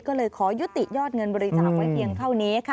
ก็เลยขอยุติยอดเงินบริจาคไว้เพียงเท่านี้ค่ะ